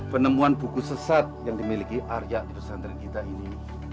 penemuan buku sesat yang dimiliki arya di pesantren kita ini